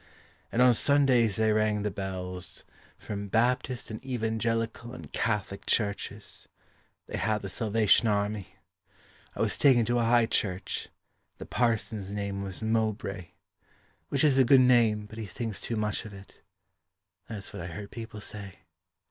And on Sundays they rang the bells, From Baptist and Evangelical and Catholic churches. They had a Salvation Army. I was taken to a High Church; The parson's name was Mowbray, "Which is a good name but he thinks too much of it " That's what I heard people say.